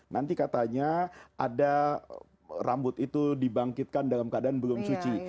nanti katanya ada rambut itu dibangkitkan dalam keadaan belum suci